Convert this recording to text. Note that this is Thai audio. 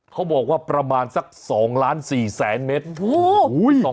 เขาบอกว่าประมาณสัก๒ล้าน๔แสนเมตร